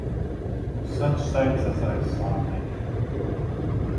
Such sights as I saw, my dear!